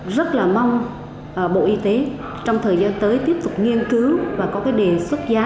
rất là mong bộ y tế trong thời gian tới tiếp tục nghiên cứu và có cái đề xuất giá